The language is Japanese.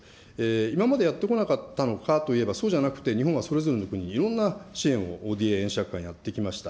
今までやってこなかったのかというと、そうじゃなくて、日本がそれぞれの国にいろんな支援をＯＤＡ借款、やってきました。